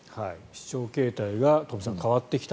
視聴形態が東輝さん変わってきた。